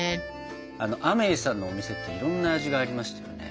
あのアメイさんのお店っていろんな味がありましたよね？